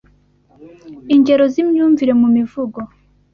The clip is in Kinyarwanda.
Ingero z'imyumvire mu mivugo